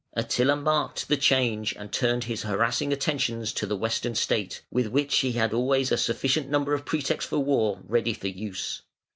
Attila marked the change and turned his harassing attentions to the Western State, with which he had always a sufficient number of pretexts for war ready for use.